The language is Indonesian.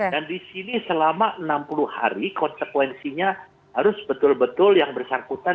dan disini selama enam puluh hari konsekuensinya harus betul betul yang bersangkutan